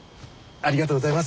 ありがとうございます。